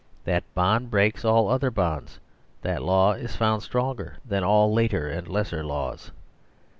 That bond breaks all other bonds ; that law is found stronger than all later and lesser laws.